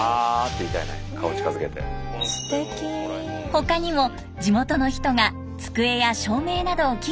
他にも地元の人が机や照明などを寄付してくれました。